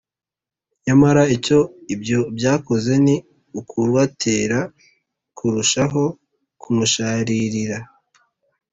nyamara icyo ibyo byakoze ni ukubatera kurushaho kumusharirira.